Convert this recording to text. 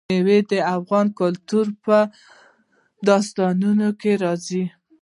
مېوې د افغان کلتور په داستانونو کې راځي.